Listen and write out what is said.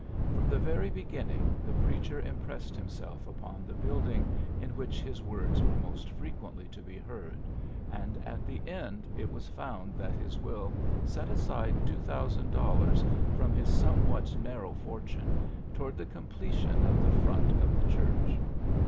From the very beginning the preacher impressed him self upon the building in which his words were most frequently to be heard, and at the end it was found that his wiU set aside $2, 000 from his somewhat nar row fortune toward the completion of the front of the church.